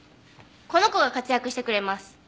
この子が活躍してくれます。